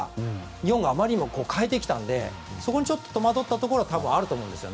日本があまりにも変えてきたのでそこに戸惑ったところはあると思います。